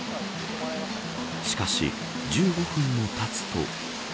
しかし１５分もたつと。